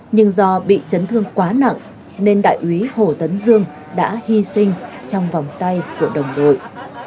nhưng do bị chấn thương quá nặng nên đại úy hồ tấn dương đã hy sinh trong vòng tay của đồng đội